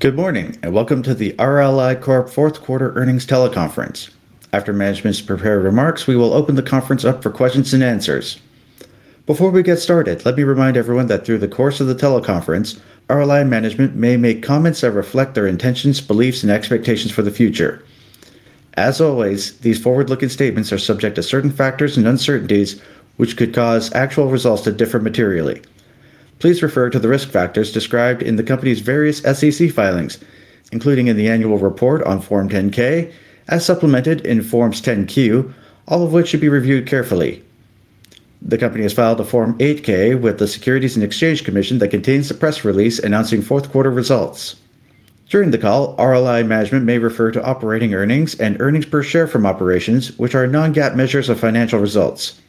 Good morning, and welcome to the RLI Corp Fourth Quarter Earnings Teleconference. After Management's prepared remarks, we will open the conference up for questions and answers. Before we get started, let me remind everyone that through the course of the teleconference, RLI Management may make comments that reflect their intentions, beliefs, and expectations for the future. As always, these forward-looking statements are subject to certain factors and uncertainties which could cause actual results to differ materially. Please refer to the risk factors described in the company's various SEC filings, including in the annual report on Form 10-K, as supplemented in Forms 10-Q, all of which should be reviewed carefully. The company has filed a Form 8-K with the Securities and Exchange Commission that contains the press release announcing fourth quarter results. During the call, RLI Management may refer to operating earnings and earnings per share from operations, which are non-GAAP measures of financial results.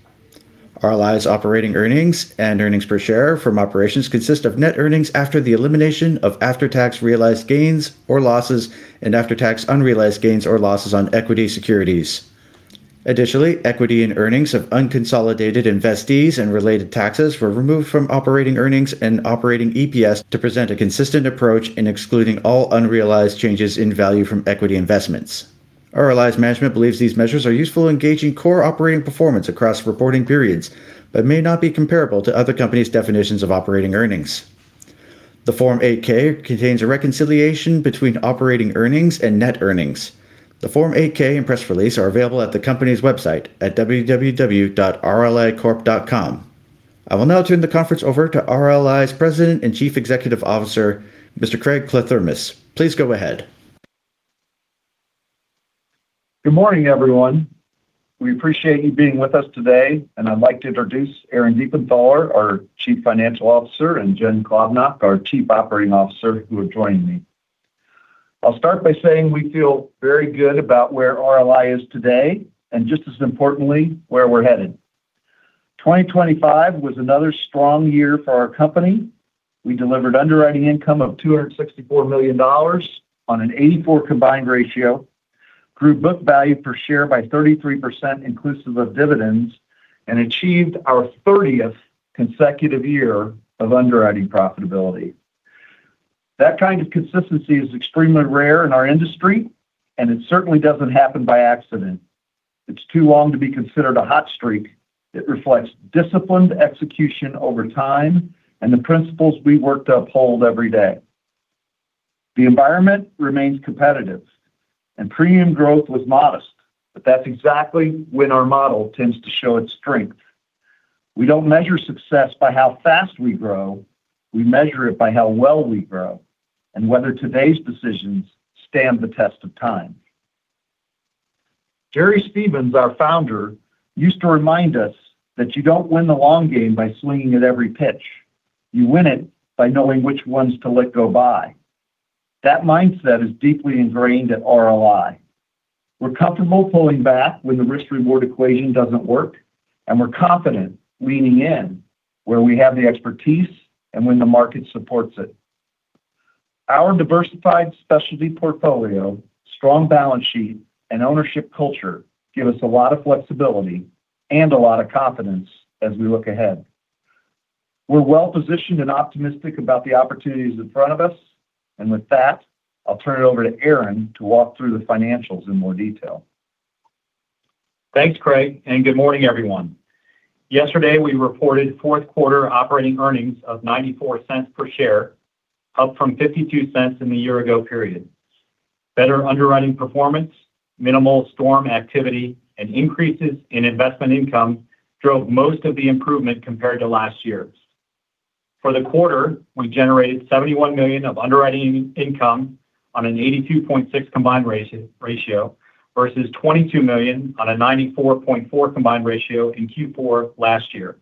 RLI's operating earnings and earnings per share from operations consist of net earnings after the elimination of after-tax realized gains or losses and after-tax unrealized gains or losses on equity securities. Additionally, equity and earnings of unconsolidated investees and related taxes were removed from operating earnings and operating EPS to present a consistent approach in excluding all unrealized changes in value from equity investments. RLI's management believes these measures are useful in gauging core operating performance across reporting periods, but may not be comparable to other companies' definitions of operating earnings. The Form 8-K contains a reconciliation between operating earnings and net earnings. The Form 8-K and press release are available at the company's website at www.rlicorp.com. I will now turn the conference over to RLI's President and Chief Executive Officer, Mr. Craig Kliethermes. Please go ahead. Good morning, everyone. We appreciate you being with us today, and I'd like to introduce Aaron Diefenthaler, our Chief Financial Officer, and Jen Klobnak, our Chief Operating Officer, who have joined me. I'll start by saying we feel very good about where RLI is today and, just as importantly, where we're headed. 2025 was another strong year for our company. We delivered underwriting income of $264 million on an 84 combined ratio, grew book value per share by 33% inclusive of dividends, and achieved our 30th consecutive year of underwriting profitability. That kind of consistency is extremely rare in our industry, and it certainly doesn't happen by accident. It's too long to be considered a hot streak. It reflects disciplined execution over time and the principles we work to uphold every day. The environment remains competitive, and premium growth was modest, but that's exactly when our model tends to show its strength. We don't measure success by how fast we grow. We measure it by how well we grow and whether today's decisions stand the test of time. Gerald Stephens, our founder, used to remind us that you don't win the long game by swinging at every pitch. You win it by knowing which ones to let go by. That mindset is deeply ingrained at RLI. We're comfortable pulling back when the risk-reward equation doesn't work, and we're confident leaning in where we have the expertise and when the market supports it. Our diversified specialty portfolio, strong balance sheet, and ownership culture give us a lot of flexibility and a lot of confidence as we look ahead. We're well-positioned and optimistic about the opportunities in front of us, and with that, I'll turn it over to Aaron to walk through the financials in more detail. Thanks, Craig, and good morning, everyone. Yesterday, we reported fourth quarter operating earnings of $0.94 per share, up from $0.52 in the year-ago period. Better underwriting performance, minimal storm activity, and increases in investment income drove most of the improvement compared to last year. For the quarter, we generated $71 million of underwriting income on an 82.6 combined ratio versus $22 million on a 94.4 combined ratio in Q4 last year.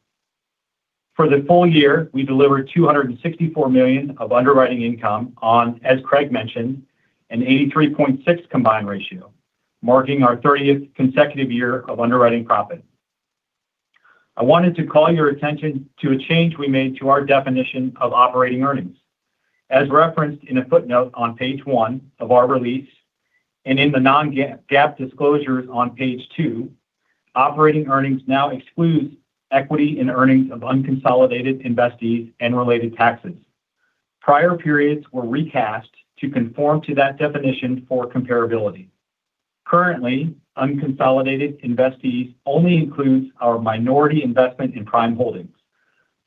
For the full year, we delivered $264 million of underwriting income on, as Craig mentioned, an 83.6 combined ratio, marking our 30th consecutive year of underwriting profit. I wanted to call your attention to a change we made to our definition of operating earnings. As referenced in a footnote on page one of our release and in the non-GAAP disclosures on page two, operating earnings now excludes equity and earnings of unconsolidated investees and related taxes. Prior periods were recast to conform to that definition for comparability. Currently, unconsolidated investees only includes our minority investment in Prime Holdings.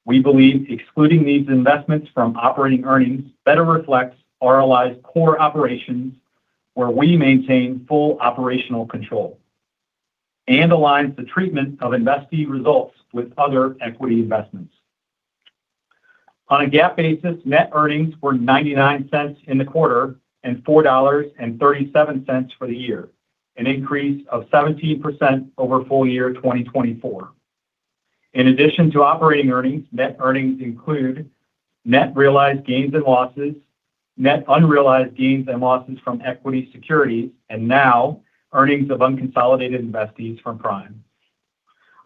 We believe excluding these investments from operating earnings better reflects RLI's core operations, where we maintain full operational control, and aligns the treatment of investee results with other equity investments. On a GAAP basis, net earnings were $0.99 in the quarter and $4.37 for the year, an increase of 17% over full year 2024. In addition to operating earnings, net earnings include net realized gains and losses, net unrealized gains and losses from equity securities, and now earnings of unconsolidated investees from Prime.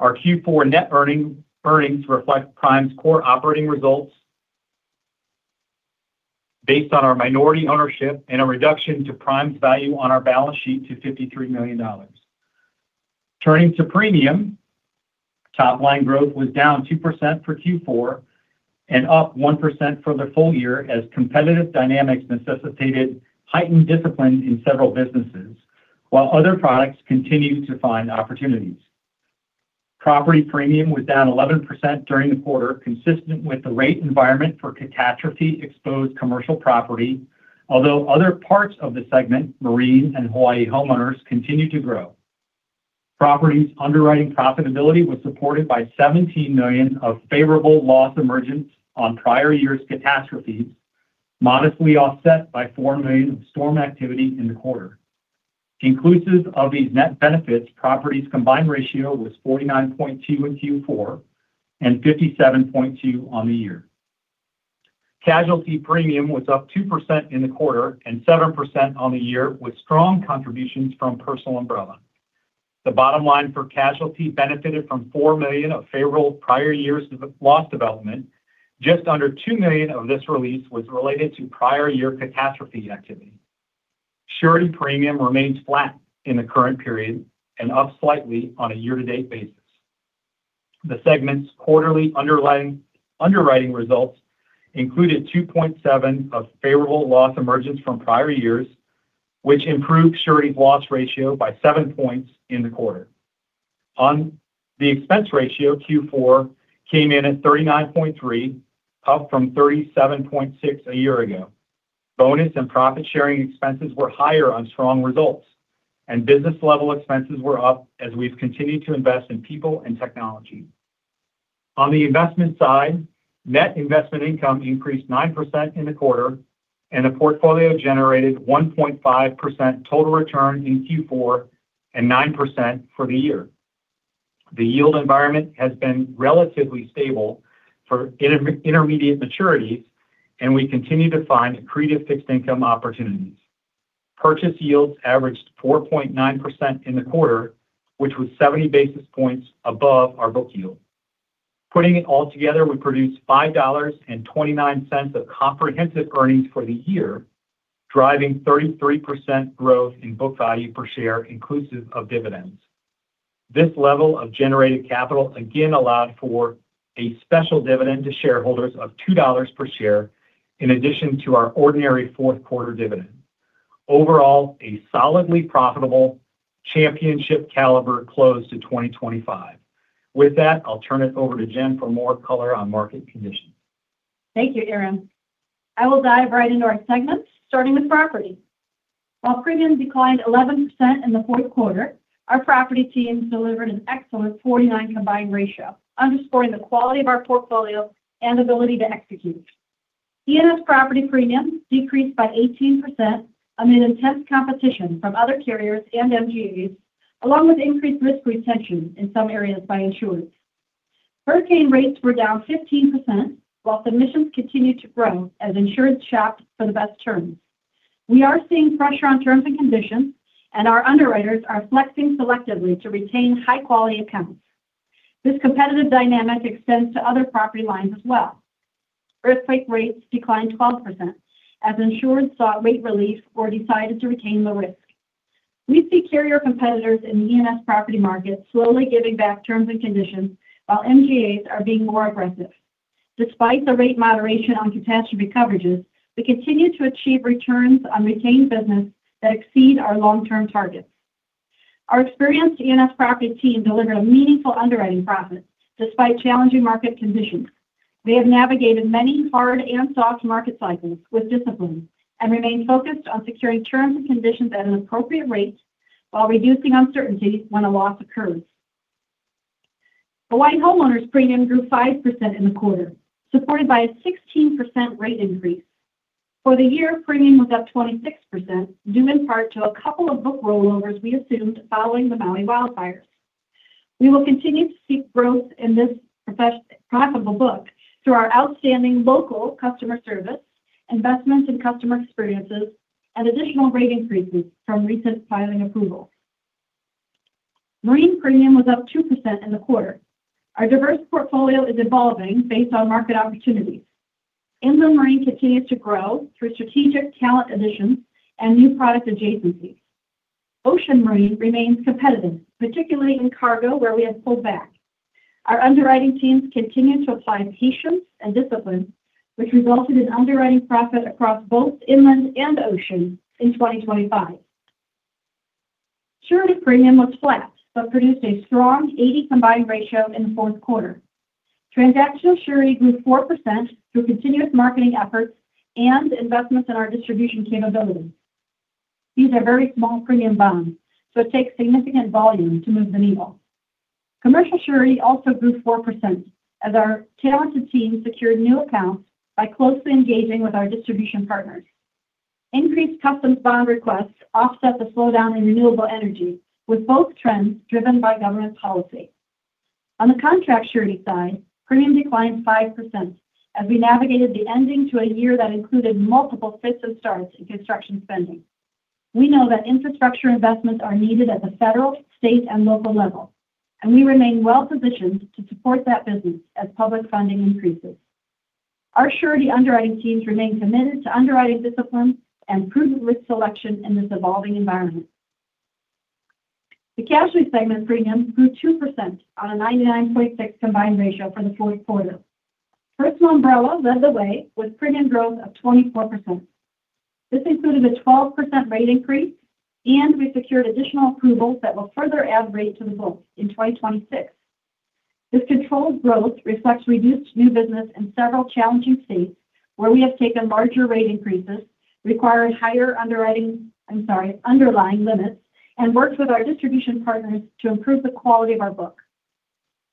Our Q4 net earnings reflect Prime's core operating results based on our minority ownership and a reduction to Prime's value on our balance sheet to $53 million. Turning to premium, top-line growth was -2% for Q4 and +1% for the full year as competitive dynamics necessitated heightened discipline in several businesses, while other products continued to find opportunities. Property premium was down 11% during the quarter, consistent with the rate environment for catastrophe-exposed commercial property, although other parts of the segment, marine and Hawaii Homeowners, continued to grow. Property's underwriting profitability was supported by $17 million of favorable loss emergence on prior year's catastrophes, modestly offset by $4 million of storm activity in the quarter. Inclusive of these net benefits, property's combined ratio was 49.2 in Q4 and 57.2 on the year. Casualty premium was up 2% in the quarter and 7% on the year with strong contributions from Personal Umbrella. The bottom line for casualty benefited from $4 million of favorable prior year's loss development. Just under $2 million of this release was related to prior year catastrophe activity. Surety premium remains flat in the current period and up slightly on a year-to-date basis. The segment's quarterly underwriting results included 2.7 points of favorable loss emergence from prior years, which improved surety loss ratio by seven points in the quarter. On the expense ratio, Q4 came in at 39.3, up from 37.6 a year ago. Bonus and profit-sharing expenses were higher on strong results, and business-level expenses were up as we've continued to invest in people and technology. On the investment side, net investment income +9% in the quarter, and the portfolio generated 1.5% total return in Q4 and 9% for the year. The yield environment has been relatively stable for intermediate maturities, and we continue to find accretive fixed income opportunities. Purchase yields averaged 4.9% in the quarter, which was 70 basis points above our book yield. Putting it all together, we produced $5.29 of comprehensive earnings for the year, driving 33% growth in book value per share inclusive of dividends. This level of generated capital again allowed for a special dividend to shareholders of $2 per share in addition to our ordinary fourth quarter dividend. Overall, a solidly profitable championship-caliber close to 2025. With that, I'll turn it over to Jen for more color on market conditions. Thank you, Aaron. I will dive right into our segments, starting with property. While premium declined 11% in the fourth quarter, our property teams delivered an excellent 49 combined ratio, underscoring the quality of our portfolio and ability to execute. E&S Property premium decreased by 18% amid intense competition from other carriers and MGAs, along with increased risk retention in some areas by insurers. Hurricane rates were down 15%, while submissions continued to grow as insurers shopped for the best terms. We are seeing pressure on terms and conditions, and our underwriters are flexing selectively to retain high-quality accounts. This competitive dynamic extends to other property lines as well. Earthquake rates declined 12% as insurers sought rate relief or decided to retain the risk. We see carrier competitors in the E&S Property market slowly giving back terms and conditions, while MGAs are being more aggressive. Despite the rate moderation on catastrophe coverages, we continue to achieve returns on retained business that exceed our long-term targets. Our experienced E&S Property team delivered a meaningful underwriting profit despite challenging market conditions. They have navigated many hard and soft market cycles with discipline and remain focused on securing terms and conditions at an appropriate rate while reducing uncertainty when a loss occurs. Hawaii homeowners' premium grew 5% in the quarter, supported by a 16% rate increase. For the year, premium was up 26%, due in part to a couple of book rollovers we assumed following the Maui wildfires. We will continue to seek growth in this profitable book through our outstanding local customer service, investments in customer experiences, and additional rate increases from recent filing approvals. Marine premium was up 2% in the quarter. Our diverse portfolio is evolving based on market opportunities. Inland Marine continues to grow through strategic talent additions and new product adjacencies. Ocean Marine remains competitive, particularly in cargo, where we have pulled back. Our underwriting teams continue to apply patience and discipline, which resulted in underwriting profit across both inland and ocean in 2025. Surety premium was flat but produced a strong 80 combined ratio in the fourth quarter. Transactional Surety +4% through continuous marketing efforts and investments in our distribution capabilities. These are very small premium bonds, so it takes significant volume to move the needle. Commercial Surety also +4% as our talented team secured new accounts by closely engaging with our distribution partners. Increased customs bond requests offset the slowdown in renewable energy, with both trends driven by government policy. On the Contract Surety side, premium declined 5% as we navigated the ending to a year that included multiple fits and starts in construction spending. We know that infrastructure investments are needed at the federal, state, and local level, and we remain well-positioned to support that business as public funding increases. Our surety underwriting teams remain committed to underwriting discipline and prudent risk selection in this evolving environment. The casualty segment premium +2% on a 99.6 combined ratio for the fourth quarter. Personal umbrella led the way with premium growth of 24%. This included a 12% rate increase, and we secured additional approvals that will further add rate to the book in 2026. This controlled growth reflects reduced new business in several challenging states where we have taken larger rate increases, required higher underlying limits, and worked with our distribution partners to improve the quality of our book.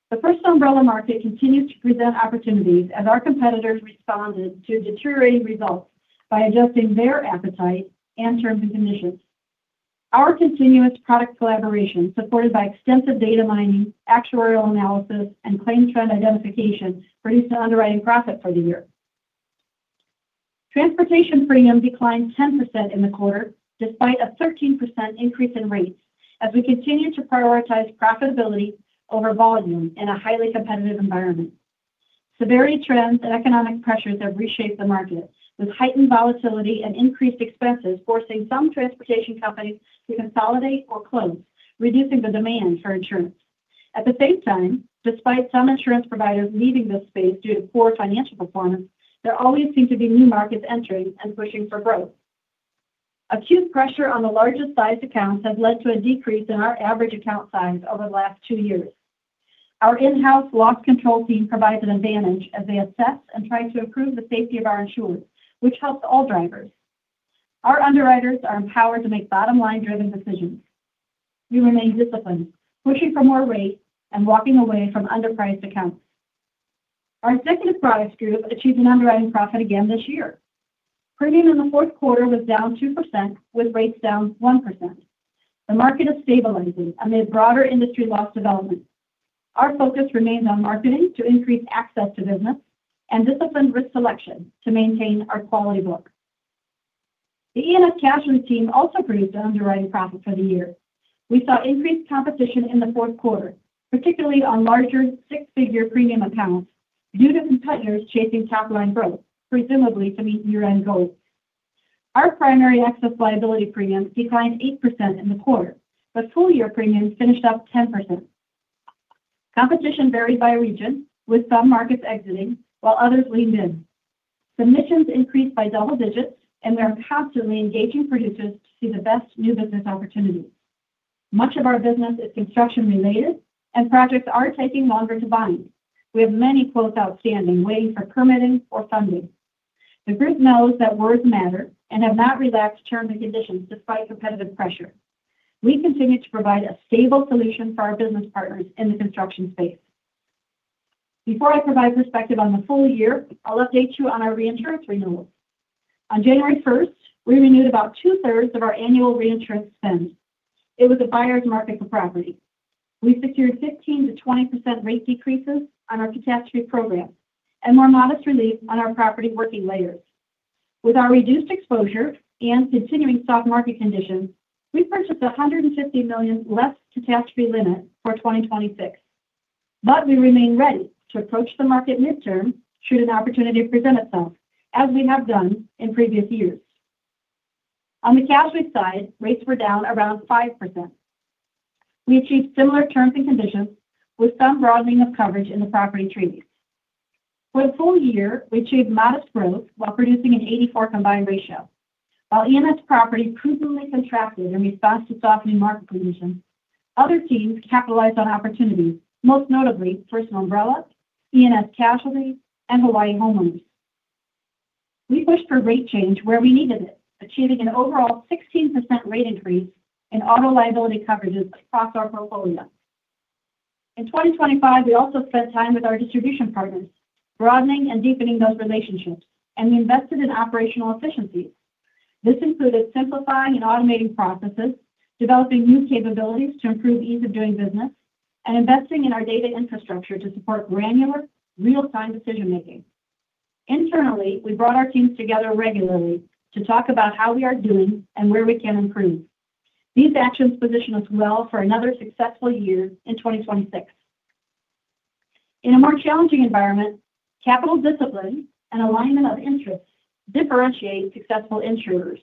The personal umbrella market continues to present opportunities as our competitors responded to deteriorating results by adjusting their appetite and terms and conditions. Our continuous product collaboration, supported by extensive data mining, actuarial analysis, and claim trend identification, produced an underwriting profit for the year. Transportation premium declined 10% in the quarter despite a 13% increase in rates as we continue to prioritize profitability over volume in a highly competitive environment. Severity trends and economic pressures have reshaped the market, with heightened volatility and increased expenses forcing some transportation companies to consolidate or close, reducing the demand for insurance. At the same time, despite some insurance providers leaving this space due to poor financial performance, there always seem to be new markets entering and pushing for growth. Acute pressure on the largest sized accounts has led to a decrease in our average account size over the last two years. Our in-house loss control team provides an advantage as they assess and try to improve the safety of our insureds, which helps all drivers. Our underwriters are empowered to make bottom-line-driven decisions. We remain disciplined, pushing for more rates and walking away from underpriced accounts. Our Executive Products Group achieved an underwriting profit again this year. Premium in the fourth quarter was -2%, with rates down 1%. The market is stabilizing amid broader industry loss development. Our focus remains on marketing to increase access to business and disciplined risk selection to maintain our quality book. The E&S Casualty team also produced an underwriting profit for the year. We saw increased competition in the fourth quarter, particularly on larger six-figure premium accounts due to competitors chasing top-line growth, presumably to meet year-end goals. Our Primary Excess Liability premium declined 8% in the quarter, but full-year premium finished up 10%. Competition varied by region, with some markets exiting while others leaned in. Submissions increased by double digits, and we are constantly engaging producers to see the best new business opportunities. Much of our business is construction-related, and projects are taking longer to bind. We have many quotes outstanding waiting for permitting or funding. The group knows that words matter and have not relaxed terms and conditions despite competitive pressure. We continue to provide a stable solution for our business partners in the construction space. Before I provide perspective on the full year, I'll update you on our reinsurance renewals. On January 1st, we renewed about two-thirds of our annual reinsurance spend. It was a buyer's market for property. We secured 15%-20% rate decreases on our catastrophe program and more modest relief on our property working layers. With our reduced exposure and continuing soft market conditions, we purchased $150 million less catastrophe limit for 2026. But we remain ready to approach the market midterm should an opportunity present itself, as we have done in previous years. On the casualty side, rates were down around 5%. We achieved similar terms and conditions with some broadening of coverage in the property treaties. For the full year, we achieved modest growth while producing an 84 combined ratio. While E&S property prudently contracted in response to softening market conditions, other teams capitalized on opportunities, most notably personal umbrella, E&S Casualty, and Hawaii homeowners. We pushed for rate change where we needed it, achieving an overall 16% rate increase in auto liability coverages across our portfolio. In 2025, we also spent time with our distribution partners, broadening and deepening those relationships, and we invested in operational efficiencies. This included simplifying and automating processes, developing new capabilities to improve ease of doing business, and investing in our data infrastructure to support granular, real-time decision-making. Internally, we brought our teams together regularly to talk about how we are doing and where we can improve. These actions position us well for another successful year in 2026. In a more challenging environment, capital discipline and alignment of interests differentiate successful insurers.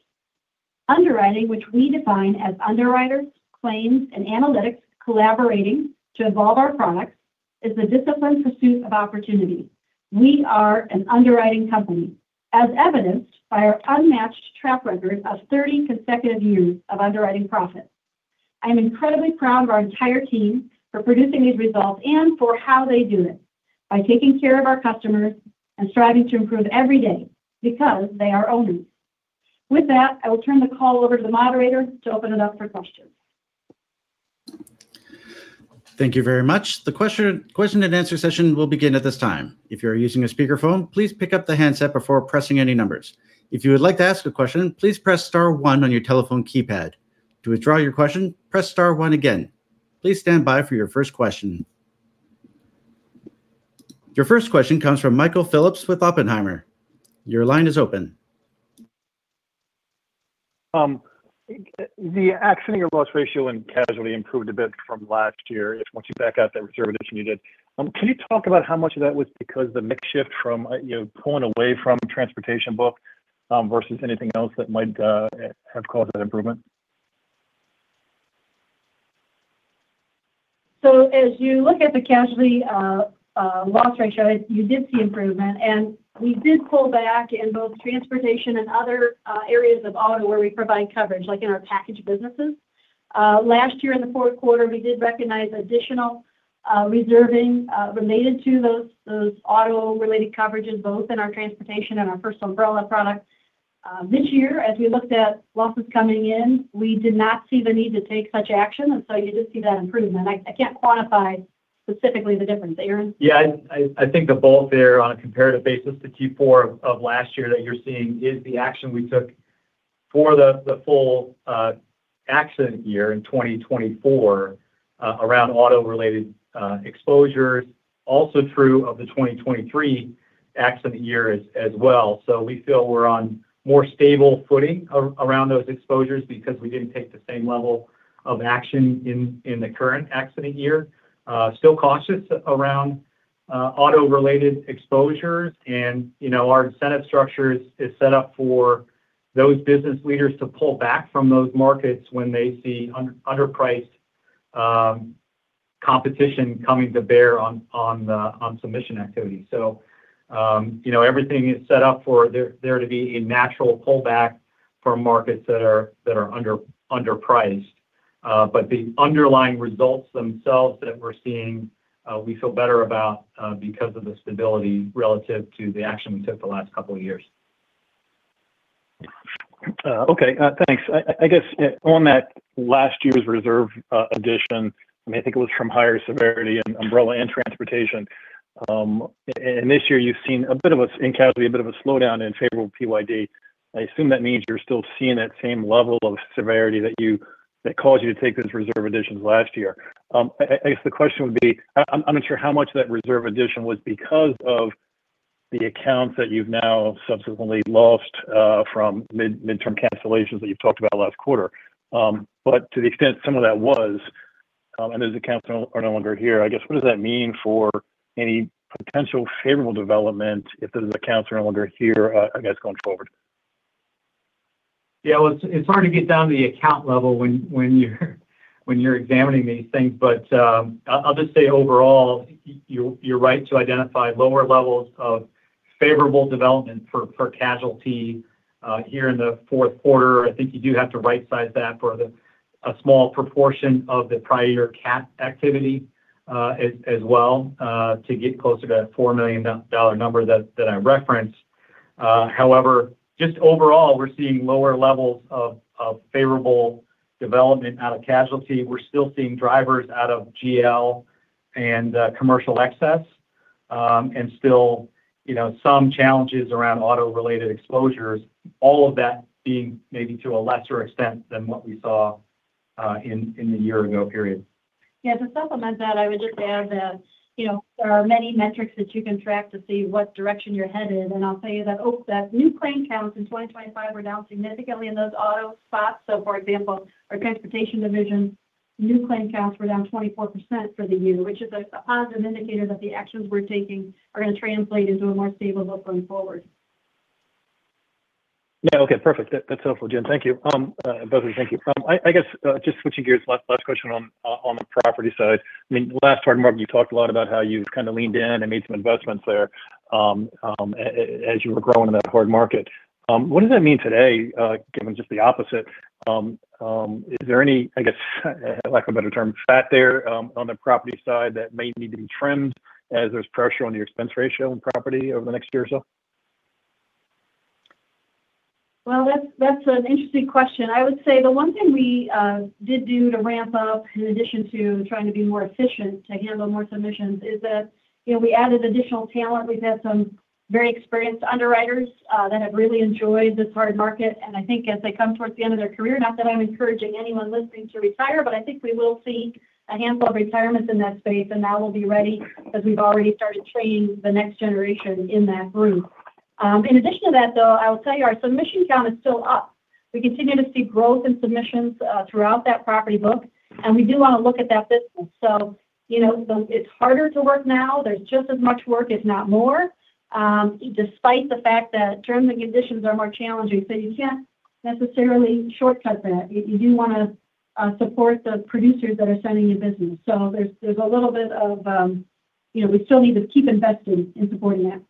Underwriting, which we define as underwriters, claims, and analytics collaborating to evolve our products, is the disciplined pursuit of opportunity. We are an underwriting company, as evidenced by our unmatched track record of 30 consecutive years of underwriting profit. I am incredibly proud of our entire team for producing these results and for how they do it, by taking care of our customers and striving to improve every day because they are owners. With that, I will turn the call over to the moderator to open it up for questions. Thank you very much. The question and answer session will begin at this time. If you're using a speakerphone, please pick up the handset before pressing any numbers. If you would like to ask a question, please press star one on your telephone keypad. To withdraw your question, press star one again. Please stand by for your first question. Your first question comes from Michael Phillips with Oppenheimer. Your line is open. The accident or loss ratio in Casualty improved a bit from last year once you back out that reserve revision you did. Can you talk about how much of that was because of the mix shift from pulling away from Transportation book versus anything else that might have caused that improvement? So as you look at the casualty loss ratio, you did see improvement, and we did pull back in both transportation and other areas of auto where we provide coverage, like in our package businesses. Last year, in the fourth quarter, we did recognize additional reserving related to those auto-related coverages, both in our transportation and our personal umbrella product. This year, as we looked at losses coming in, we did not see the need to take such action, and so you did see that improvement. I can't quantify specifically the difference. Aaron? Yeah. I think the favorable on a comparative basis to Q4 of last year that you're seeing is the action we took for the full accident year in 2024 around auto-related exposures, also true of the 2023 accident year as well. So we feel we're on more stable footing around those exposures because we didn't take the same level of action in the current accident year. Still cautious around auto-related exposures, and our incentive structure is set up for those business leaders to pull back from those markets when they see underpriced competition coming to bear on submission activity. So everything is set up for there to be a natural pullback from markets that are underpriced. But the underlying results themselves that we're seeing, we feel better about because of the stability relative to the action we took the last couple of years. Okay. Thanks. I guess on that last year's reserve addition, I mean, I think it was from higher severity in umbrella and transportation. And this year, you've seen a bit of a casualty, a bit of a slowdown in favor of PYD. I assume that means you're still seeing that same level of severity that caused you to take those reserve additions last year. I guess the question would be, I'm not sure how much that reserve addition was because of the accounts that you've now subsequently lost from midterm cancellations that you've talked about last quarter. But to the extent some of that was, and those accounts are no longer here, I guess, what does that mean for any potential favorable development if those accounts are no longer here, I guess, going forward? Yeah. Well, it's hard to get down to the account level when you're examining these things, but I'll just say overall, you're right to identify lower levels of favorable development for casualty here in the fourth quarter. I think you do have to right-size that for a small proportion of the prior year CAT activity as well to get closer to that $4 million number that I referenced. However, just overall, we're seeing lower levels of favorable development out of casualty. We're still seeing drivers out of GL and commercial excess and still some challenges around auto-related exposures, all of that being maybe to a lesser extent than what we saw in the year ago period. Yeah. To supplement that, I would just add that there are many metrics that you can track to see what direction you're headed, and I'll tell you that new claim counts in 2025 were down significantly in those auto spots, so for example, our Transportation division, new claim counts were down 24% for the year, which is a positive indicator that the actions we're taking are going to translate into a more stable look going forward. Yeah. Okay. Perfect. That's helpful, Jen. Thank you. Both of you, thank you. I guess just switching gears, last question on the property side. I mean, last hard market, you talked a lot about how you kind of leaned in and made some investments there as you were growing in that hard market. What does that mean today, given just the opposite? Is there any, I guess, lack of a better term, fat there on the property side that may need to be trimmed as there's pressure on the expense ratio in property over the next year or so? That's an interesting question. I would say the one thing we did do to ramp up, in addition to trying to be more efficient to handle more submissions, is that we added additional talent. We've had some very experienced underwriters that have really enjoyed this hard market. I think as they come towards the end of their career, not that I'm encouraging anyone listening to retire, but I think we will see a handful of retirements in that space, and now we'll be ready because we've already started training the next generation in that room. In addition to that, though, I will tell you our submission count is still up. We continue to see growth in submissions throughout that property book, and we do want to look at that business. It's harder to work now. There's just as much work, if not more, despite the fact that terms and conditions are more challenging. So you can't necessarily shortcut that. You do want to support the producers that are sending you business. So there's a little bit of we still need to keep investing in supporting that.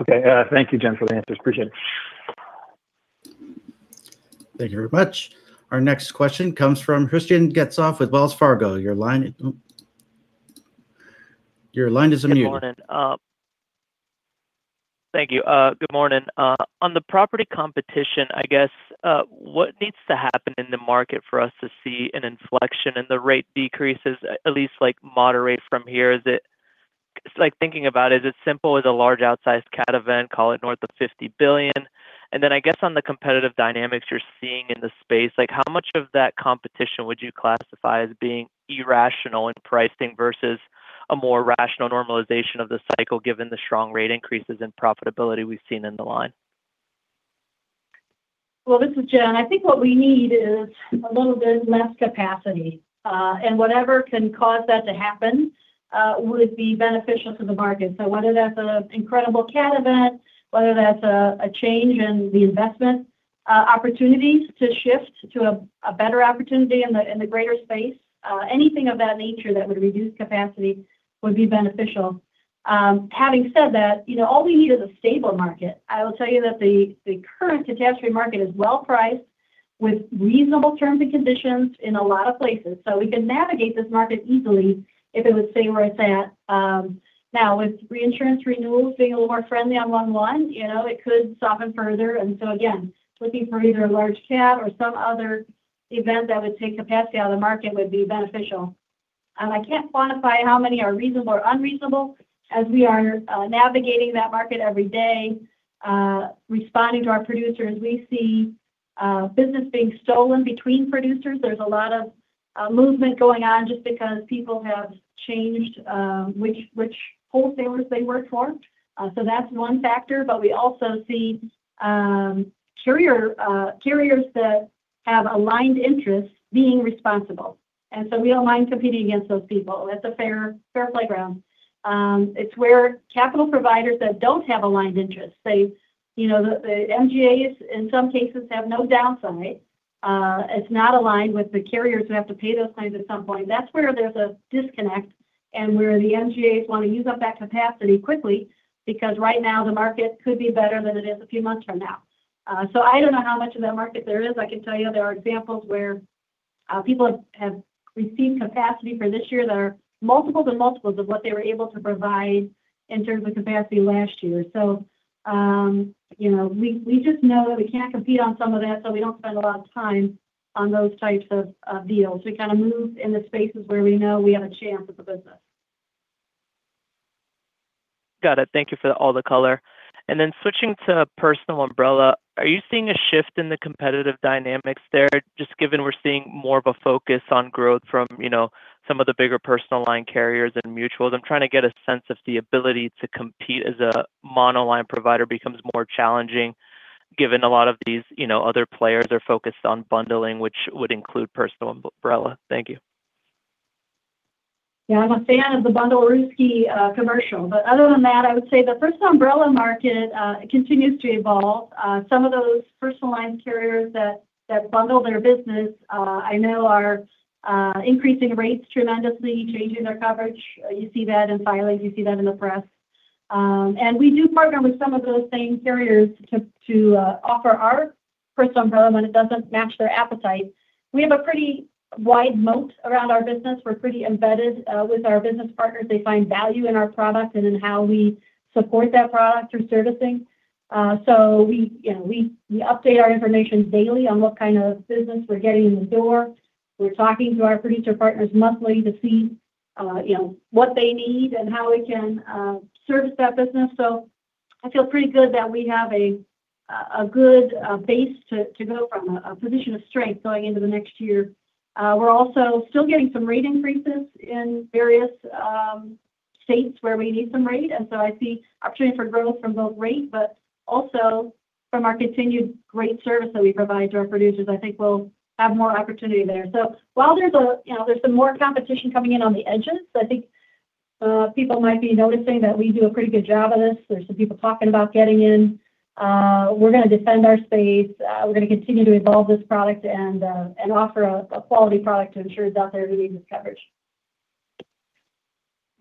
Okay. Thank you, Jen, for the answers. Appreciate it. Thank you very much. Our next question comes from Christian Getzoff with Wells Fargo. Your line is unmuted. Thank you. Good morning. On the property competition, I guess, what needs to happen in the market for us to see an inflection in the rate decreases, at least moderate from here? Thinking about it, is it simple as a large outsized CAT event, call it north of $50 billion? And then I guess on the competitive dynamics you're seeing in the space, how much of that competition would you classify as being irrational in pricing versus a more rational normalization of the cycle given the strong rate increases and profitability we've seen in the line? This is Jen. I think what we need is a little bit less capacity, and whatever can cause that to happen would be beneficial to the market, so whether that's an incredible CAT event, whether that's a change in the investment opportunities to shift to a better opportunity in the greater space, anything of that nature that would reduce capacity would be beneficial. Having said that, all we need is a stable market. I will tell you that the current catastrophe market is well priced with reasonable terms and conditions in a lot of places. So we could navigate this market easily if it would stay where it's at. Now, with reinsurance renewals being a little more friendly on 1/1 it could soften further. And so again, looking for either a large CAT or some other event that would take capacity out of the market would be beneficial. I can't quantify how many are reasonable or unreasonable as we are navigating that market every day, responding to our producers. We see business being stolen between producers. There's a lot of movement going on just because people have changed which wholesalers they work for. So that's one factor. But we also see carriers that have aligned interests being responsible. And so we don't mind competing against those people. That's a fair playground. It's where capital providers that don't have aligned interests, the MGAs in some cases have no downside. It's not aligned with the carriers who have to pay those claims at some point. That's where there's a disconnect and where the MGAs want to use up that capacity quickly because right now the market could be better than it is a few months from now. So I don't know how much of that market there is. I can tell you there are examples where people have received capacity for this year that are multiples and multiples of what they were able to provide in terms of capacity last year. So we just know that we can't compete on some of that, so we don't spend a lot of time on those types of deals. We kind of move in the spaces where we know we have a chance as a business. Got it. Thank you for all the color. And then switching to personal umbrella, are you seeing a shift in the competitive dynamics there? Just given we're seeing more of a focus on growth from some of the bigger personal line carriers and mutuals, I'm trying to get a sense of the ability to compete as a monoline provider becomes more challenging given a lot of these other players are focused on bundling, which would include personal umbrella. Thank you. Yeah. I'm a fan of the bundled auto and homeowners. But other than that, I would say the personal umbrella market continues to evolve. Some of those personal line carriers that bundle their business, I know, are increasing rates tremendously, changing their coverage. You see that in filings. You see that in the press. And we do partner with some of those same carriers to offer our personal umbrella when it doesn't match their appetite. We have a pretty wide moat around our business. We're pretty embedded with our business partners. They find value in our product and in how we support that product through servicing. So we update our information daily on what kind of business we're getting in the door. We're talking to our producer partners monthly to see what they need and how we can service that business. So I feel pretty good that we have a good base to go from, a position of strength going into the next year. We're also still getting some rate increases in various states where we need some rate. And so I see opportunity for growth from both rate, but also from our continued great service that we provide to our producers. I think we'll have more opportunity there. So while there's some more competition coming in on the edges, I think people might be noticing that we do a pretty good job of this. There's some people talking about getting in. We're going to defend our space. We're going to continue to evolve this product and offer a quality product to ensure it's out there and we need this coverage.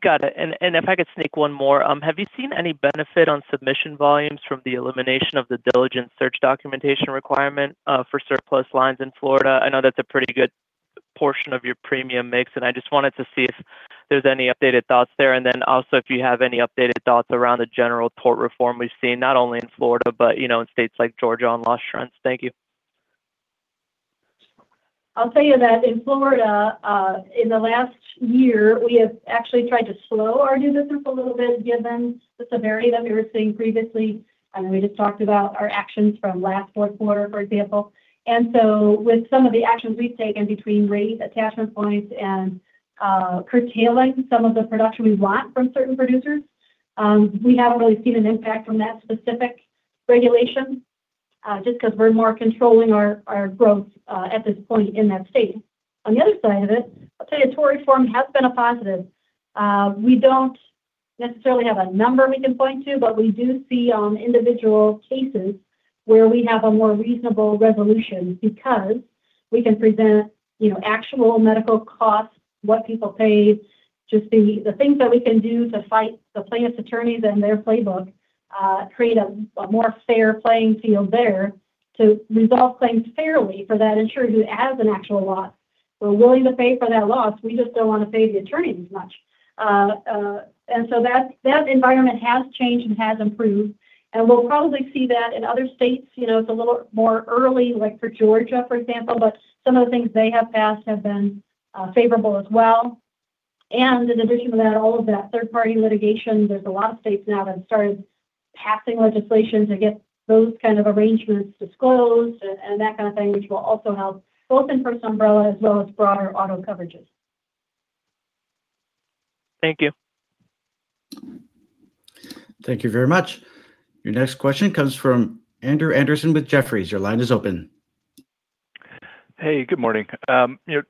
Got it. And if I could sneak one more, have you seen any benefit on submission volumes from the elimination of the diligent search documentation requirement for surplus lines in Florida? I know that's a pretty good portion of your premium mix, and I just wanted to see if there's any updated thoughts there. And then also, if you have any updated thoughts around the general tort reform we've seen, not only in Florida, but in states like Georgia on loss of consortiums Thank you. I'll tell you that in Florida, in the last year, we have actually tried to slow our new business a little bit given the severity that we were seeing previously. I mean, we just talked about our actions from last fourth quarter, for example. And so with some of the actions we've taken between rate attachment points and curtailing some of the production we want from certain producers, we haven't really seen an impact from that specific regulation just because we're more controlling our growth at this point in that state. On the other side of it, I'll tell you tort reform has been a positive. We don't necessarily have a number we can point to, but we do see on individual cases where we have a more reasonable resolution because we can present actual medical costs, what people paid, just the things that we can do to fight the plaintiff's attorneys and their playbook, create a more fair playing field there to resolve claims fairly for that insurer who has an actual loss. We're willing to pay for that loss. We just don't want to pay the attorneys much. And so that environment has changed and has improved. And we'll probably see that in other states. It's a little more early, like for Georgia, for example, but some of the things they have passed have been favorable as well. In addition to that, all of that third-party litigation, there's a lot of states now that have started passing legislation to get those kind of arrangements disclosed and that kind of thing, which will also help both in personal umbrella as well as broader auto coverages. Thank you. Thank you very much. Your next question comes from Andrew Andersen with Jefferies. Your line is open. Hey, good morning.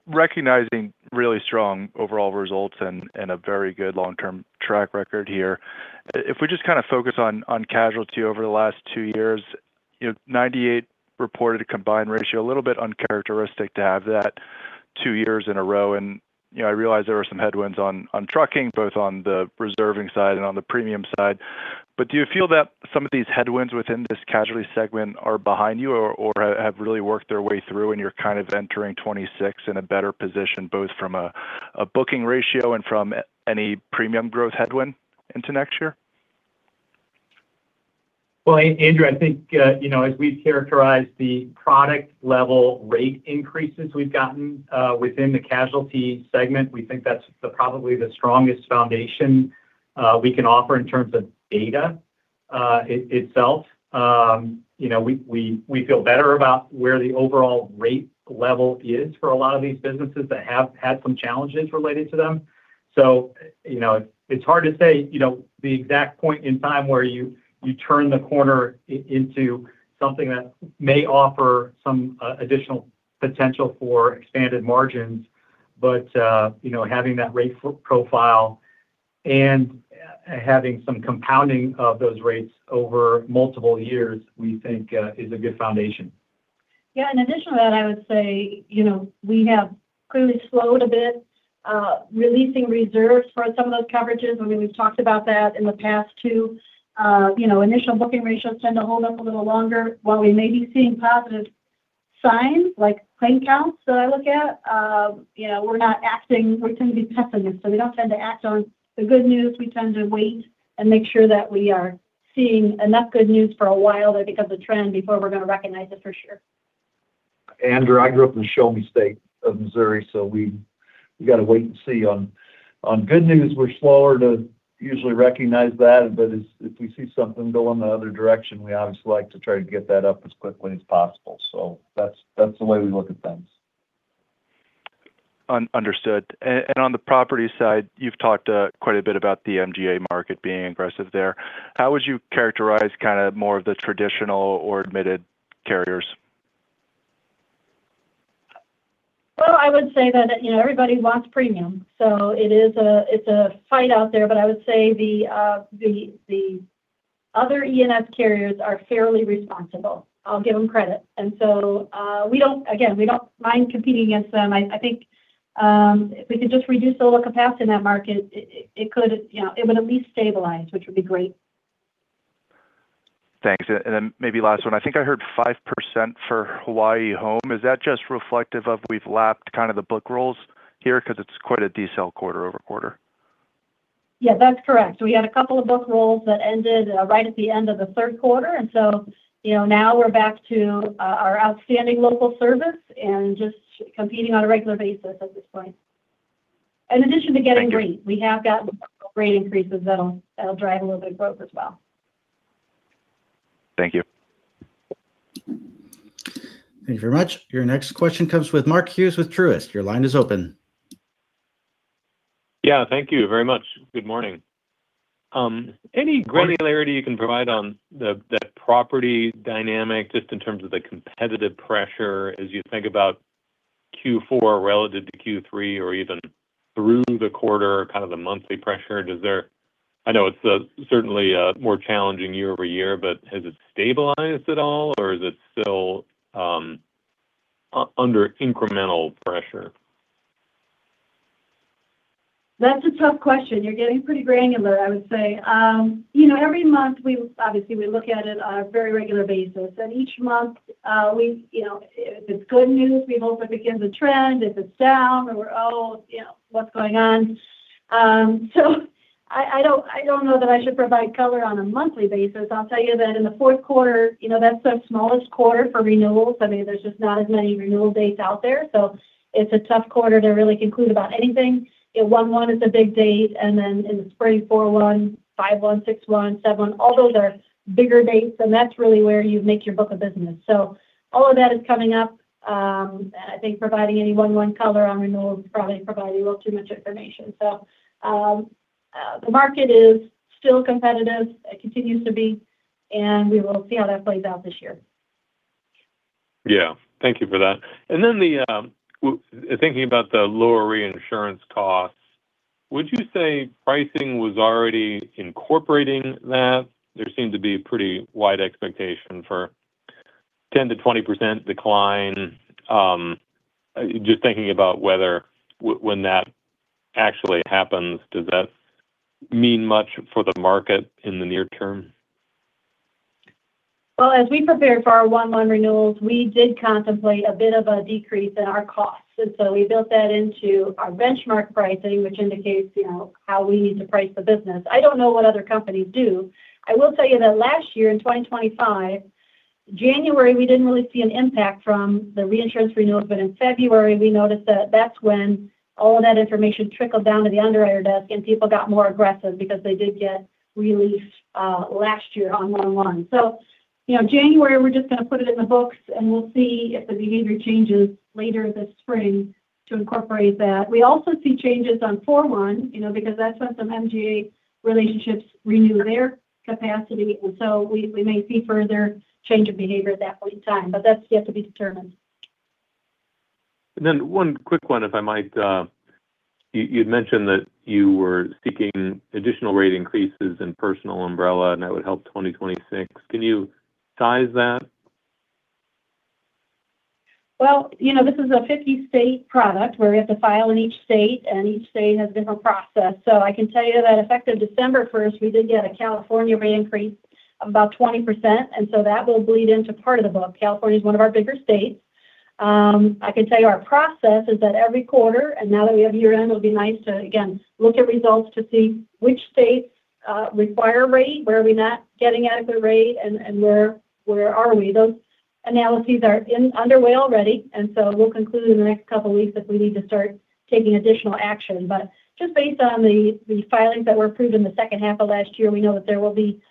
Recognizing really strong overall results and a very good long-term track record here, if we just kind of focus on casualty over the last two years, 98 reported a combined ratio, a little bit uncharacteristic to have that two years in a row. And I realize there were some headwinds on trucking, both on the reserving side and on the premium side. But do you feel that some of these headwinds within this casualty segment are behind you or have really worked their way through and you're kind of entering 2026 in a better position, both from a combined ratio and from any premium growth headwind into next year? Andrew, I think as we've characterized the product-level rate increases we've gotten within the casualty segment, we think that's probably the strongest foundation we can offer in terms of data itself. We feel better about where the overall rate level is for a lot of these businesses that have had some challenges related to them. So it's hard to say the exact point in time where you turn the corner into something that may offer some additional potential for expanded margins, but having that rate profile and having some compounding of those rates over multiple years, we think, is a good foundation. Yeah. In addition to that, I would say we have clearly slowed a bit releasing reserves for some of those coverages. I mean, we've talked about that in the past too. Initial booking ratios tend to hold up a little longer. While we may be seeing positive signs like claim counts that I look at, we're not acting. We tend to be pessimists. So we don't tend to act on the good news. We tend to wait and make sure that we are seeing enough good news for a while that it becomes a trend before we're going to recognize it for sure. Andrew, I grew up in the Show-Me State of Missouri, so we've got to wait and see. On good news, we're slower to usually recognize that. But if we see something go in the other direction, we obviously like to try to get that up as quickly as possible. So that's the way we look at things. Understood. And on the property side, you've talked quite a bit about the MGA market being aggressive there. How would you characterize kind of more of the traditional or admitted carriers? I would say that everybody wants premium, so it's a fight out there, but I would say the other E&S carriers are fairly responsible. I'll give them credit, and so again, we don't mind competing against them. I think if we could just reduce the little capacity in that market, it would at least stabilize, which would be great. Thanks. And then maybe last one. I think I heard 5% for Hawaii Home. Is that just reflective of we've lapped kind of the book rolls here because it's quite a decel quarter-over-quarter? Yeah, that's correct. We had a couple of book rolls that ended right at the end of the third quarter. And so now we're back to our outstanding local service and just competing on a regular basis at this point. In addition to getting rate, we have gotten rate increases that'll drive a little bit of growth as well. Thank you. Thank you very much. Your next question comes with Mark Hughes with Truist. Your line is open. Yeah. Thank you very much. Good morning. Any granularity you can provide on that property dynamic just in terms of the competitive pressure as you think about Q4 relative to Q3 or even through the quarter, kind of the monthly pressure? I know it's certainly more challenging year-over-year, but has it stabilized at all, or is it still under incremental pressure? That's a tough question. You're getting pretty granular, I would say. Every month, obviously, we look at it on a very regular basis. And each month, if it's good news, we hope it begins a trend. If it's down, we're, "Oh, what's going on?" So I don't know that I should provide color on a monthly basis. I'll tell you that in the fourth quarter, that's the smallest quarter for renewals. I mean, there's just not as many renewal dates out there. So it's a tough quarter to really conclude about anything. 1/1 is a big date. And then in the spring, 4/1, 5/1, 6/1, 7/1, all those are bigger dates. And that's really where you make your book of business. So all of that is coming up. And I think providing any 1/1 color on renewals will probably provide you a little too much information. So the market is still competitive. It continues to be. And we will see how that plays out this year. Yeah. Thank you for that. And then thinking about the lower reinsurance costs, would you say pricing was already incorporating that? There seemed to be a pretty wide expectation for a 10%-20% decline. Just thinking about when that actually happens, does that mean much for the market in the near term? Well, as we prepared for our 1/1 renewals, we did contemplate a bit of a decrease in our costs. And so we built that into our benchmark pricing, which indicates how we need to price the business. I don't know what other companies do. I will tell you that last year in 2025, January, we didn't really see an impact from the reinsurance renewals. But in February, we noticed that that's when all of that information trickled down to the underwriter desk, and people got more aggressive because they did get relief last year on 1/1. So January, we're just going to put it in the books, and we'll see if the behavior changes later this spring to incorporate that. We also see changes on 4/1 because that's when some MGA relationships renew their capacity. And so we may see further change of behavior at that point in time, but that's yet to be determined. And then one quick one, if I might. You'd mentioned that you were seeking additional rate increases in personal umbrella, and that would help 2026. Can you size that? This is a 50-state product where we have to file in each state, and each state has a different process. I can tell you that effective December 1st, we did get a California rate increase of about 20%. That will bleed into part of the book. California is one of our bigger states. I can tell you our process is that every quarter, and now that we have year-end, it would be nice to, again, look at results to see which states require rate, where are we not getting adequate rate, and where are we. Those analyses are underway already. We'll conclude in the next couple of weeks if we need to start taking additional action. But just based on the filings that were approved in the second half of last year, we know that there will be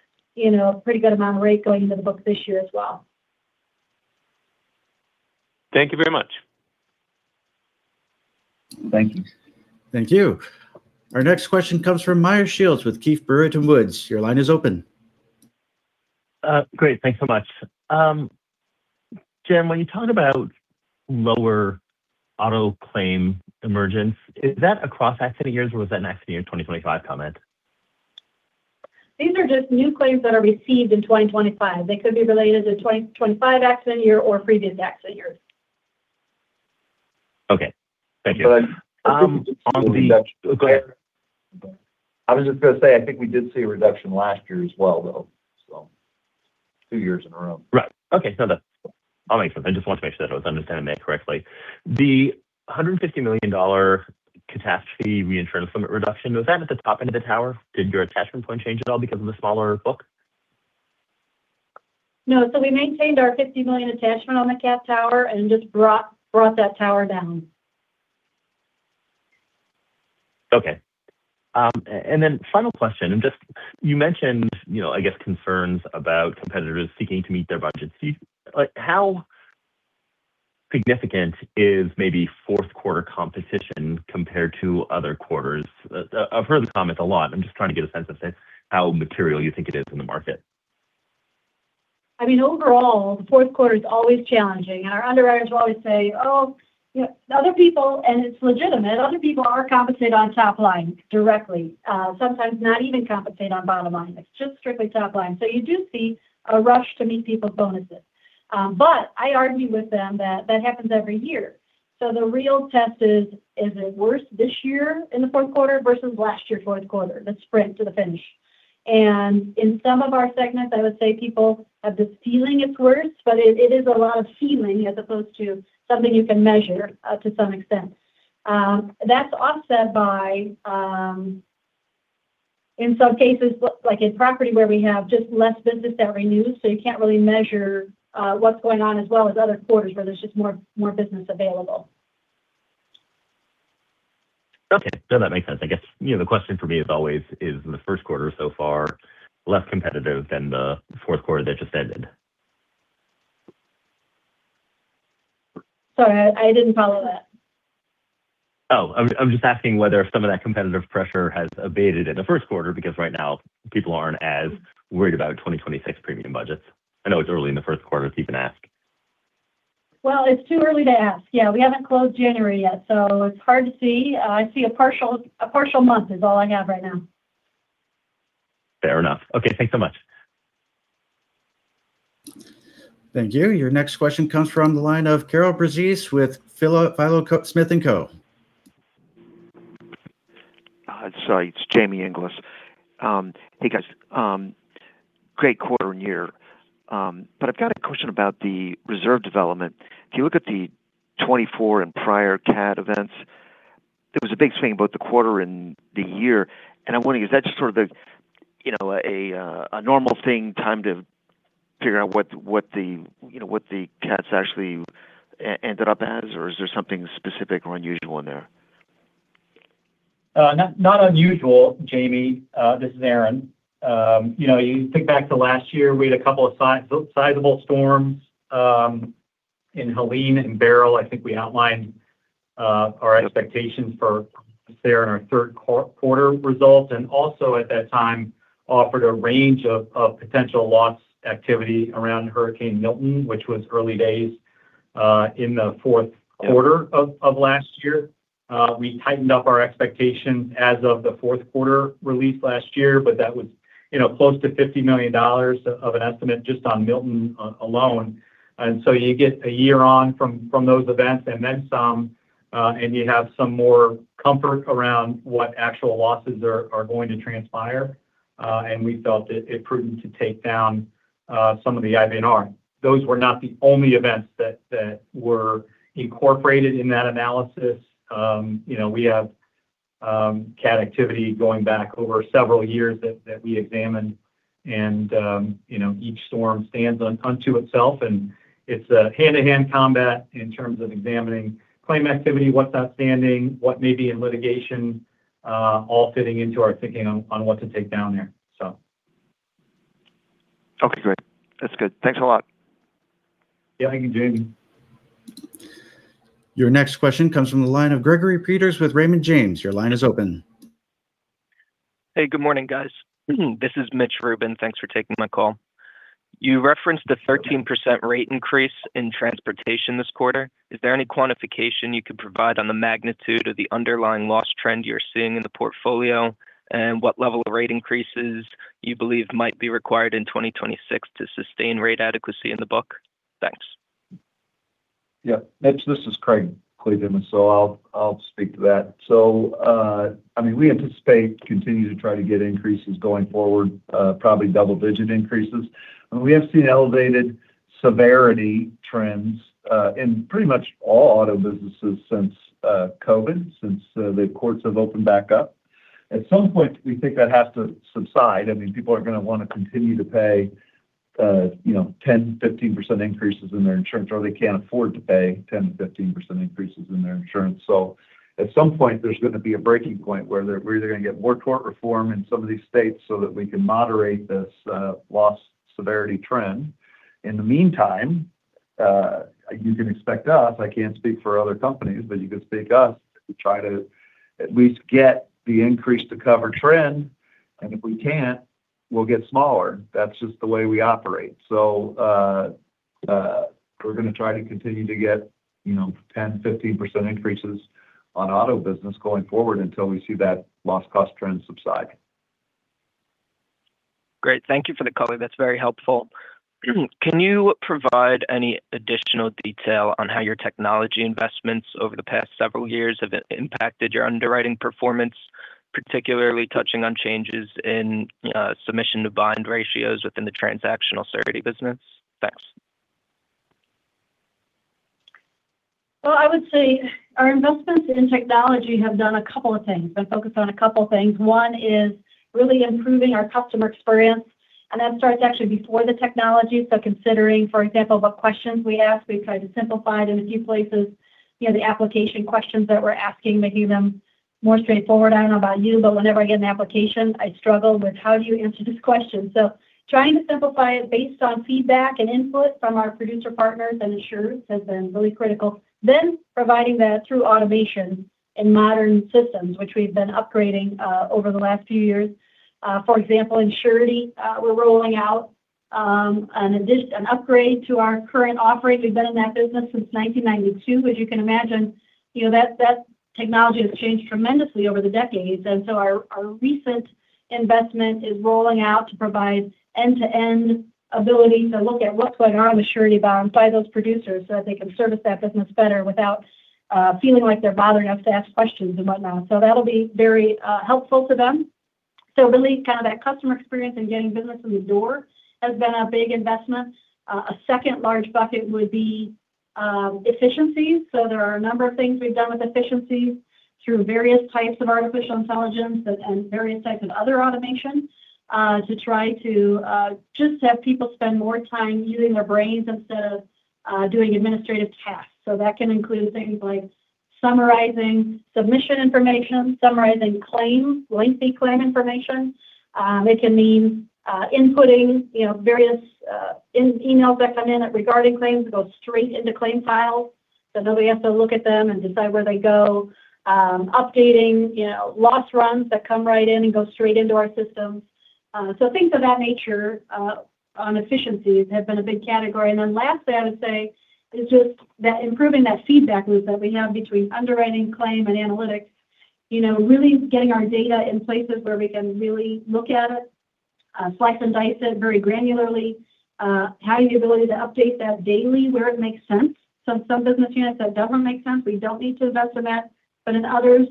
a pretty good amount of rate going into the book this year as well. Thank you very much. Thank you. Thank you. Our next question comes from Meyer Shields with Keefe, Bruyette & Woods. Your line is open. Great. Thanks so much. Jen, when you talk about lower auto claim emergence, is that across accident years or was that an accident year 2025 comment? These are just new claims that are received in 2025. They could be related to the 2025 accident year or previous accident years. Okay. Thank you. But on the. Go ahead. I was just going to say, I think we did see a reduction last year as well, though, so two years in a row. Right. Okay. No, that all makes sense. I just wanted to make sure that I was understanding that correctly. The $150 million catastrophe reinsurance limit reduction, was that at the top end of the tower? Did your attachment point change at all because of the smaller book? No. So we maintained our $50 million attachment on the cat tower and just brought that tower down. Okay. And then final question. You mentioned, I guess, concerns about competitors seeking to meet their budgets. How significant is maybe fourth quarter competition compared to other quarters? I've heard the comments a lot. I'm just trying to get a sense of how material you think it is in the market. I mean, overall, the fourth quarter is always challenging. And our underwriters will always say, "Oh, other people," and it's legitimate. Other people are compensated on top line directly, sometimes not even compensated on bottom line. It's just strictly top line. So you do see a rush to meet people's bonuses. But I argue with them that that happens every year. So the real test is, is it worse this year in the fourth quarter versus last year's fourth quarter, the sprint to the finish? And in some of our segments, I would say people have this feeling it's worse, but it is a lot of feeling as opposed to something you can measure to some extent. That's offset by, in some cases, like in property where we have just less business that renews, so you can't really measure what's going on as well as other quarters where there's just more business available. Okay. No, that makes sense. I guess the question for me is always, is the first quarter so far less competitive than the fourth quarter that just ended? Sorry, I didn't follow that. Oh, I'm just asking whether some of that competitive pressure has abated in the first quarter because right now people aren't as worried about 2026 premium budgets. I know it's early in the first quarter if you can ask. It's too early to ask. Yeah. We haven't closed January yet, so it's hard to see. I see a partial month is all I have right now. Fair enough. Okay. Thanks so much. Thank you. Your next question comes from the line of Carol Bruzzese with Philo Smith & Co. Hi, sorry. It's Jamie Inglis. Hey, guys. Great quarter and year. But I've got a question about the reserve development. If you look at the 2024 and prior CAD events, there was a big swing both the quarter and the year. And I'm wondering, is that just sort of a normal thing, time to figure out what the CADs actually ended up as, or is there something specific or unusual in there? Not unusual, Jamie. This is Aaron. You think back to last year, we had a couple of sizable storms in Helene and Beryl. I think we outlined our expectations for their third quarter results. And also, at that time, offered a range of potential loss activity around Hurricane Milton, which was early days in the fourth quarter of last year. We tightened up our expectations as of the fourth quarter release last year, but that was close to $50 million of an estimate just on Milton alone. And so you get a year on from those events and then some, and you have some more comfort around what actual losses are going to transpire. And we felt it prudent to take down some of the IBNR. Those were not the only events that were incorporated in that analysis. We have cat activity going back over several years that we examined, and each storm stands unto itself, and it's a hand-to-hand combat in terms of examining claim activity, what's outstanding, what may be in litigation, all fitting into our thinking on what to take down there, so. Okay. Great. That's good. Thanks a lot. Yeah. Thank you, Jamie. Your next question comes from the line of Gregory Peters with Raymond James. Your line is open. Hey, good morning, guys. This is Mitch Rubin. Thanks for taking my call. You referenced the 13% rate increase in transportation this quarter. Is there any quantification you could provide on the magnitude of the underlying loss trend you're seeing in the portfolio and what level of rate increases you believe might be required in 2026 to sustain rate adequacy in the book? Thanks. Yeah. Mitch, this is Craig Kliethermes, so I'll speak to that. So I mean, we anticipate continuing to try to get increases going forward, probably double-digit increases. We have seen elevated severity trends in pretty much all auto businesses since COVID, since the courts have opened back up. At some point, we think that has to subside. I mean, people are going to want to continue to pay 10%-15% increases in their insurance, or they can't afford to pay 10%-15% increases in their insurance. So at some point, there's going to be a breaking point where they're either going to get more tort reform in some of these states so that we can moderate this loss severity trend. In the meantime, you can expect us. I can't speak for other companies, but you can speak to us. We try to at least get the increase to cover trend. And if we can't, we'll get smaller. That's just the way we operate. So we're going to try to continue to get 10%-15% increases on auto business going forward until we see that loss cost trend subside. Great. Thank you for the color. That's very helpful. Can you provide any additional detail on how your technology investments over the past several years have impacted your underwriting performance, particularly touching on changes in submission to bind ratios within the transactional surety business? Thanks. Well, I would say our investments in technology have done a couple of things. I focus on a couple of things. One is really improving our customer experience. And that starts actually before the technology. So considering, for example, what questions we ask, we've tried to simplify it in a few places, the application questions that we're asking, making them more straightforward. I don't know about you, but whenever I get an application, I struggle with, "How do you answer this question?" So trying to simplify it based on feedback and input from our producer partners and insurers has been really critical. Then providing that through automation and modern systems, which we've been upgrading over the last few years. For example, in Surety, we're rolling out an upgrade to our current offering. We've been in that business since 1992, but you can imagine that technology has changed tremendously over the decades. Our recent investment is rolling out to provide end-to-end ability to look at what's going on with surety bonds by those producers so that they can service that business better without feeling like they're bothering us to ask questions and whatnot. That'll be very helpful to them. Really, kind of that customer experience and getting business in the door has been a big investment. A second large bucket would be efficiencies. There are a number of things we've done with efficiencies through various types of artificial intelligence and various types of other automation to try to just have people spend more time using their brains instead of doing administrative tasks. That can include things like summarizing submission information, summarizing claims, lengthy claim information. It can mean inputting various emails that come in regarding claims that go straight into claim files so nobody has to look at them and decide where they go, updating loss runs that come right in and go straight into our systems, so things of that nature on efficiencies have been a big category, and then lastly, I would say is just that improving that feedback loop that we have between underwriting, claim, and analytics, really getting our data in places where we can really look at it, slice and dice it very granularly, having the ability to update that daily where it makes sense, so in some business units that don't make sense, we don't need to invest in that, but in others,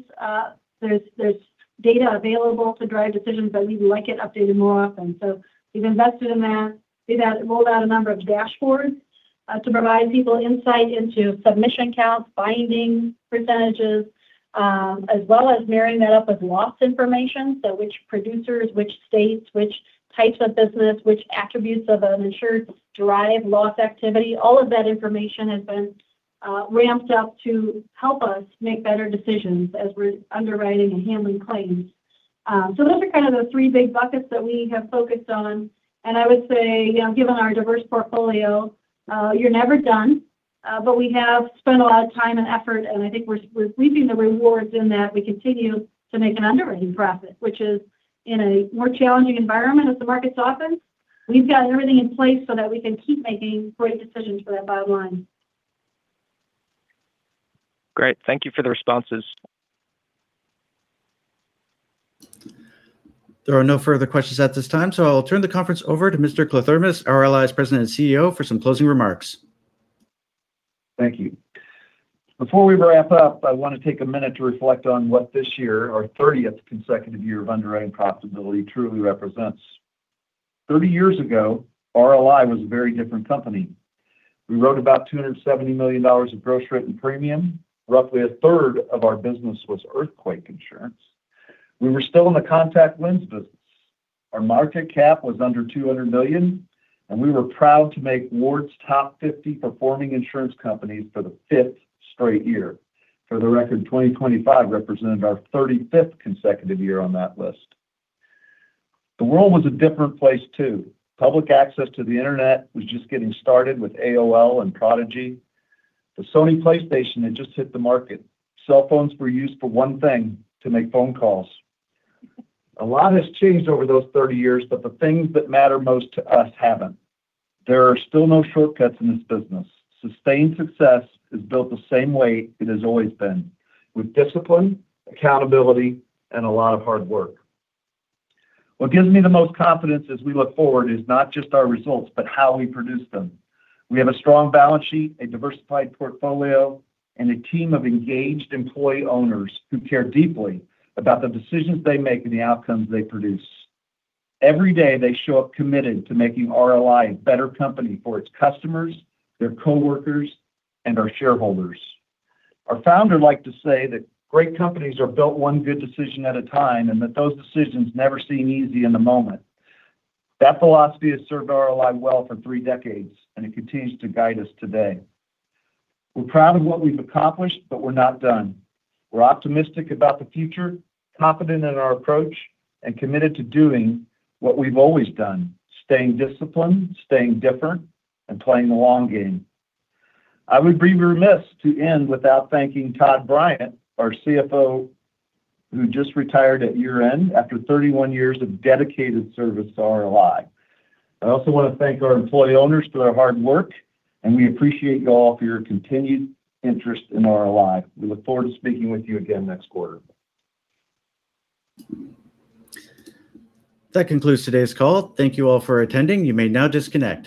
there's data available to drive decisions that we'd like it updated more often, so we've invested in that. We've rolled out a number of dashboards to provide people insight into submission counts, binding percentages, as well as marrying that up with loss information. So which producers, which states, which types of business, which attributes of an insured drive loss activity. All of that information has been ramped up to help us make better decisions as we're underwriting and handling claims. So those are kind of the three big buckets that we have focused on. And I would say, given our diverse portfolio, you're never done. But we have spent a lot of time and effort, and I think we're reaping the rewards in that we continue to make an underwriting profit, which is in a more challenging environment as the markets softens. We've got everything in place so that we can keep making great decisions for that bottom line. Great. Thank you for the responses. There are no further questions at this time, so I'll turn the conference over to Mr. Kliethermes, RLI's President and CEO, for some closing remarks. Thank you. Before we wrap up, I want to take a minute to reflect on what this year, our 30th consecutive year of underwriting profitability, truly represents. 30 years ago, RLI was a very different company. We wrote about $270 million of gross written premium. Roughly a third of our business was earthquake insurance. We were still in the contact lens business. Our market cap was under $200 million, and we were proud to make Ward's top 50 performing insurance companies for the fifth straight year. For the record, 2025 represented our 35th consecutive year on that list. The world was a different place too. Public access to the internet was just getting started with AOL and Prodigy. The Sony PlayStation had just hit the market. Cell phones were used for one thing: to make phone calls. A lot has changed over those 30 years, but the things that matter most to us haven't. There are still no shortcuts in this business. Sustained success is built the same way it has always been, with discipline, accountability, and a lot of hard work. What gives me the most confidence as we look forward is not just our results, but how we produce them. We have a strong balance sheet, a diversified portfolio, and a team of engaged employee owners who care deeply about the decisions they make and the outcomes they produce. Every day, they show up committed to making RLI a better company for its customers, their coworkers, and our shareholders. Our founder liked to say that great companies are built one good decision at a time and that those decisions never seem easy in the moment. That philosophy has served RLI well for three decades, and it continues to guide us today. We're proud of what we've accomplished, but we're not done. We're optimistic about the future, confident in our approach, and committed to doing what we've always done: staying disciplined, staying different, and playing the long game. I would be remiss to end without thanking Todd Bryant, our CFO, who just retired at year-end after 31 years of dedicated service to RLI. I also want to thank our employee owners for their hard work, and we appreciate y'all for your continued interest in RLI. We look forward to speaking with you again next quarter. That concludes today's call. Thank you all for attending. You may now disconnect.